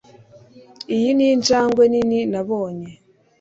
Iyi ninjangwe nini nabonye